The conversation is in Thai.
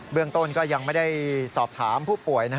เรื่องต้นก็ยังไม่ได้สอบถามผู้ป่วย